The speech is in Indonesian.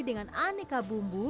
dengan aneka bumbu